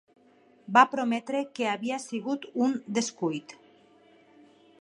Va prometre que havia sigut un descuit